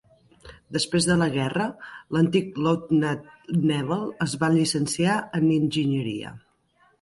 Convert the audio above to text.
Després de la guerra, l'antic "Leutnant" Nebel es va llicenciar en enginyeria.